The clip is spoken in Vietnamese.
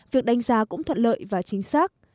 việc đánh giá cũng thuận lợi và chính xác